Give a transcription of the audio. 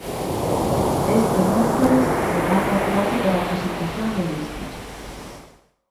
Este mércores, remata o prazo para a presentación de listas.